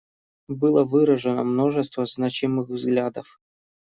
Было выражено множество значимых взглядов.